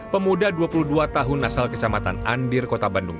pemuda dua puluh dua tahun asal kecamatan andir kota bandung